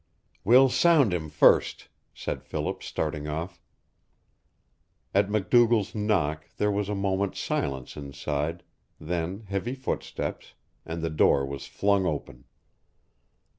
"We'll sound him first," said Philip, starting off. At MacDougall's knock there was a moment's silence inside, then heavy footsteps, and the door was flung open.